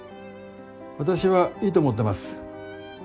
私はいいと思ってます。